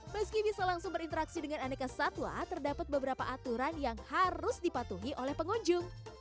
meski bisa langsung berinteraksi dengan aneka satwa terdapat beberapa aturan yang harus dipatuhi oleh pengunjung